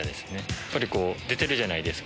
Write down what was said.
やっぱりこう、出てるじゃないですか。